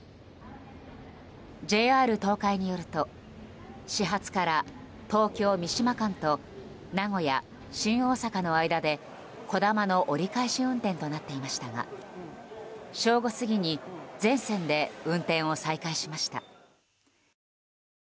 ＪＲ東海によると始発から東京三島間と名古屋新大阪の間で「こだま」の折り返し運転となっていましたが正午過ぎに全線で運転を再開しました。